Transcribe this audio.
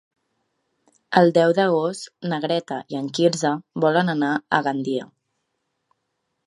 El deu d'agost na Greta i en Quirze volen anar a Gandia.